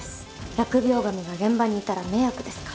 疫病神が現場にいたら迷惑ですから。